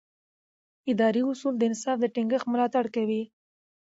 اداري اصول د انصاف د ټینګښت ملاتړ کوي.